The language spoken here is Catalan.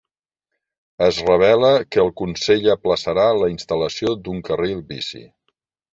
Es revela que el consell aplaçarà la instal·lació d'un carril bici.